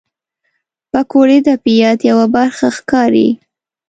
پکورې د طبیعت یوه برخه ښکاري